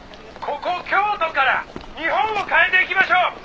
ここ京都から日本を変えていきましょう。